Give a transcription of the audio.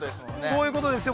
◆そういうことですよ。